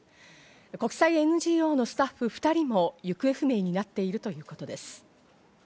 国際ＮＧＯのスタッフ２人も行方不明になっているということです。